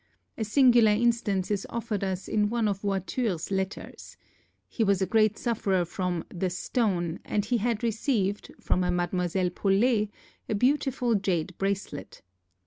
A singular instance is offered us in one of Voiture's letters. He was a great sufferer from "the stone" and he had received, from a Mademoiselle Paulet, a beautiful jade bracelet.